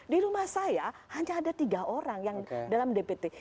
di rumah saya hanya ada tiga orang yang dalam dpt